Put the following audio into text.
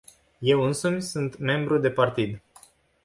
Eu însumi sunt membru de partid.